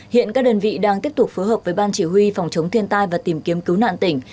hiện các đơn vị đang tiếp tục phối hợp với ban chỉ huy phòng chống thiên tai và tìm kiếm cứu nạn tỉnh